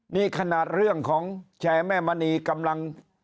นี่ขนาดเรื่องของแชร์แม่มณีกำลัง